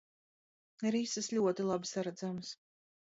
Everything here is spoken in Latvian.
Rises ļoti labi saredzamas.